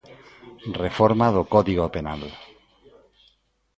Reforma do Código Penal.